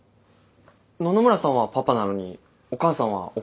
野々村さんは「パパ」なのにお母さんは「お母さん」なんですね。